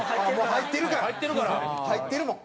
入ってるから入ってるもん。